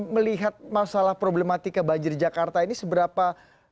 melihat masalah problematika banjir jakarta ini seberapa punya kemampuan ya kan